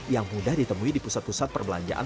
yang mudah ditemui di pusat pusat perbelanjaan